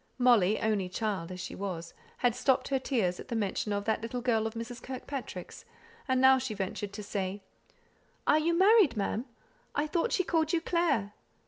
Molly only child as she was had stopped her tears at the mention of that little girl of Mrs. Kirkpatrick's, and now she ventured to say, "Are you married, ma'am; I thought she called you Clare?"